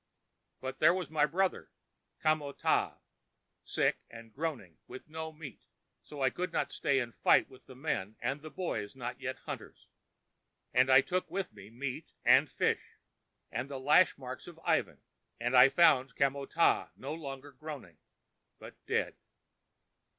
But there was my brother, Kamo tah, sick and groaning and with no meat; so I could not stay and fight with the men and the boys not yet hunters. "And I took with me meat and fish, and the lash marks of Ivan, and I found Kamo tah no longer groaning, but dead.